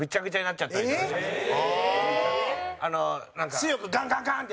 強く、ガンガンガンって。